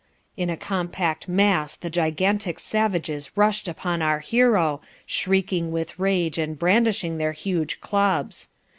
"In a compact mass the gigantic savages rushed upon our hero, shrieking with rage and brandishing their huge clubs.